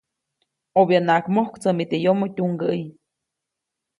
ʼObyanaʼak mojktsämi teʼ yomoʼ tyumgäʼyi.